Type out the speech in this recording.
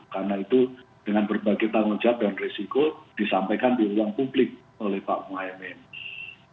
karena itu dengan berbagai tanggung jawab dan risiko disampaikan di ruang publik oleh pak muhaymin